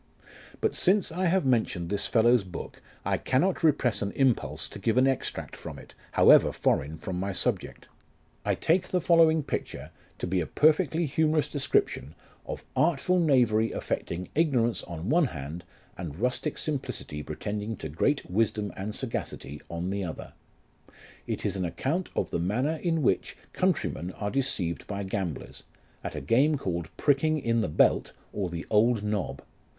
But since I have mentioned this fellow's book I cannot repress an impulse to give an extract from it ; however foreign from my subject. I take the 2 PnWished in 1761, in 8vo. LIFE OF KICHAED NASH. 89 following picture to be a perfectly humorous description of artful knavery affecting ignorance on one hand, and rustic simplicity pretending to great wisdom and sagacity on the other. It is an account of the manner in which countrymen are deceived by gamblers, at a game called Pricking in the Belt, or the old Nob.